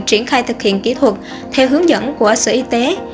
triển khai thực hiện kỹ thuật theo hướng dẫn của sở y tế